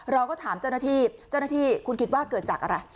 เราก็ถามเจ้าหน้าที่เจ้าหน้าที่คุณคิดว่าเกิดจากอะไร